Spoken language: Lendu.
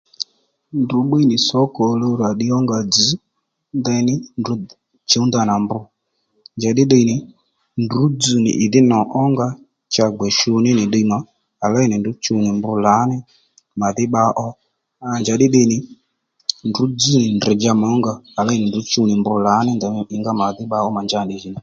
Ndrǔ bbíy nì sǒkò òluw rà ddiy ónga dzz ndeyní ndrǔ chǔw ndanà mb njàddí tde nì ndrǔ dzz nì ìdhí nò ónga cha gbè shu ní nì ddiy mà à léy nì ndrǔ chuw nì mb lǎní màdhí bba ó à njàddí ddiy nì ndrǔ dzź nì drr̀dja mà ónga à léy nì ndrǔ chuw nì mb lǎní ínga màdhí bbǎ ó mà njanì ddiy jì nà